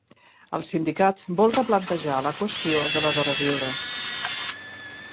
El sindicat vol replantejar la qüestió de les hores lliures.